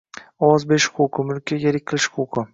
ovoz berish huquqi, mulkka egalik qilish huquqi